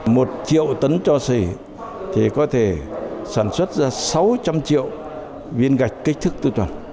một triệu tấn cho xỉ thì có thể sản xuất ra sáu trăm linh triệu viên gạch cách thức tiêu chuẩn